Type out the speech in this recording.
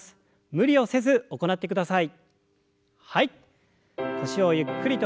無理をせず行ってください。